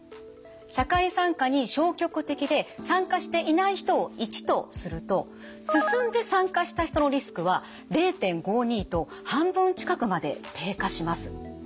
社会参加に消極的で参加していない人を１とするとすすんで参加した人のリスクは０．５２と半分近くまで低下します。